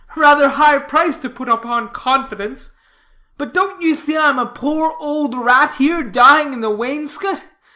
rather high price to put upon confidence. But don't you see I am a poor, old rat here, dying in the wainscot?